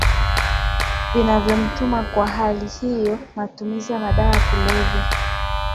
zinavyomtuma Kwa hali hiyo matumizi ya madawa ya kulevya